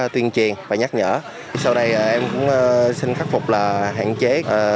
tuyên truyền và nhắc nhở sau đây em cũng xin khắc phục là hạn chế thấp nhang với lại có những